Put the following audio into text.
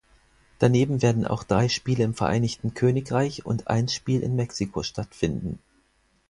Daneben werden auch drei Spiele im Vereinigten Königreich und ein Spiel in Mexiko stattfinden.